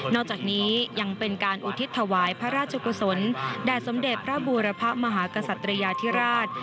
อกจากนี้ยังเป็นการอุทิศถวายพระราชกุศลแด่สมเด็จพระบูรพะมหากษัตริยาธิราช